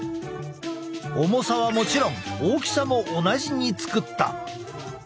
重さはもちろん大きさも同じに作った。